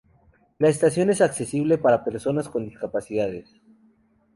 La estación es accesible para personas con discapacidades.